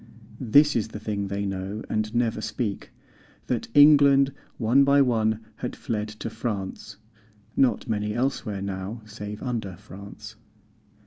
This is the thing they know and never speak, That England one by one had fled to France (Not many elsewhere now save under France).